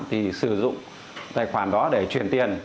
thì sử dụng tài khoản đó để chuyển tiền